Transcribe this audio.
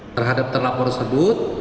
terhadap terlaporan tersebut